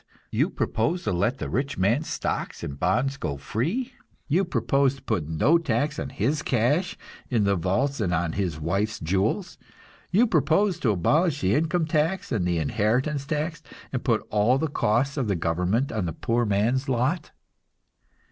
You propose to let the rich man's stocks and bonds go free? You propose to put no tax on his cash in the vaults and on his wife's jewels? You propose to abolish the income tax and the inheritance tax, and put all the costs of government on the poor man's lot?"